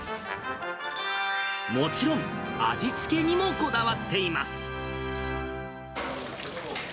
もちろん、味付けにもこだわっています。